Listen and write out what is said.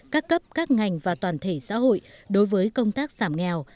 các cấp các ngành và toàn thể xã hội đối với công tác giảm nghèo